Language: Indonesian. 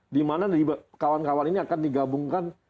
di mana kawan kawan ini akan digabungkan